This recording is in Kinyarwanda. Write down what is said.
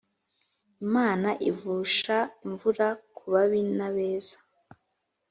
imana ivusha imvura kubabi na beza